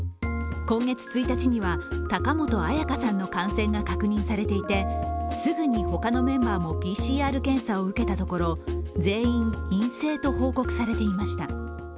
今月１日には、高本彩花さんの感染が確認されていてすぐにほかのメンバーもＰＣＲ検査を受けたところ全員、陰性と報告されていました。